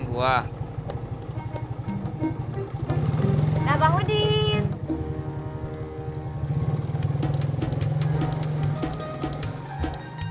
gw mau siapin biru bunch